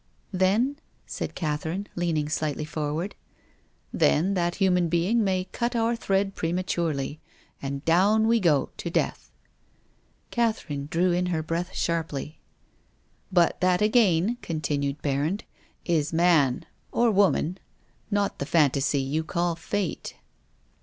" Then ?" said Catherine, leaning slightly forward. " WILLIAM FOSTER." 171 Then that human being may cut our thread prematurely, and down we go to death." Catherine drew in her breath sharply. " But that again," continued Berrand. " Is man — or woman — not the fantasy you call Fate?"